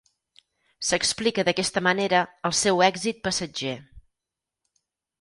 S'explica d'aquesta manera el seu èxit passatger.